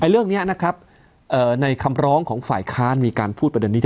เรื่องนี้นะครับในคำร้องของฝ่ายค้านมีการพูดประเด็นนี้